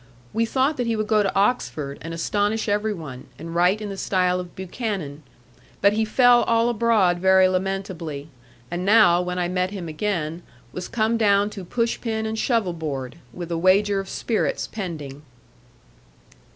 We thought that he would go to Oxford and astonish every one, and write in the style of Buchanan; but he fell all abroad very lamentably; and now, when I met him again, was come down to push pin and shovel board, with a wager of spirits pending.